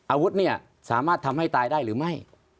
อาวุธเนี่ยสามารถทำให้ตายได้หรือไม่